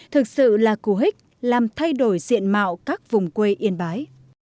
thực sự là cú hích làm thay đổi diện mạo các vùng quê yên bái